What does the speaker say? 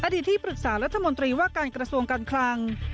ที่ปรึกษารัฐมนตรีว่าการกระทรวงการคลัง